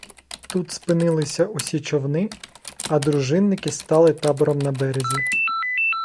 Тут спинилися усі човни, а дружинники стали табором на березі.